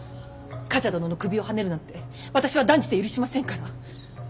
冠者殿の首をはねるなんて私は断じて許しませんから。